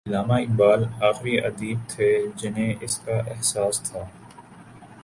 علامہ اقبال آخری ادیب تھے جنہیں اس کا احساس تھا۔